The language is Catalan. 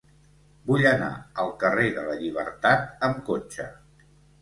Vull anar al carrer de la Llibertat amb cotxe.